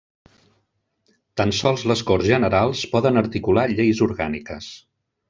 Tan sols les Corts Generals poden articular lleis orgàniques.